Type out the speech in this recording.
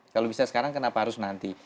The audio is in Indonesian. kalau bisa sekarang kenapa harus nanti